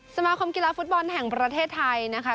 สมาคมกีฬาฟุตบอลแห่งประเทศไทยนะคะ